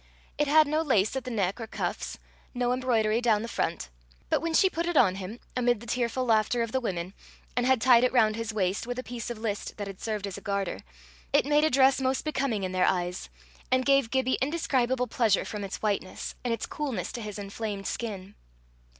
It had no lace at the neck or cuffs, no embroidery down the front; but when she put it on him, amid the tearful laughter of the women, and had tied it round his waist with a piece of list that had served as a garter, it made a dress most becoming in their eyes, and gave Gibbie indescribable pleasure from its whiteness, and its coolness to his inflamed skin.